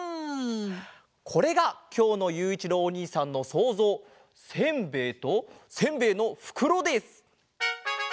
これがきょうのゆういちろうおにいさんのそうぞう「せんべい」と「せんべいのふくろ」です！